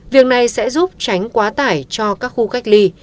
việc này sẽ giúp tránh quá tải cho các khu cách ly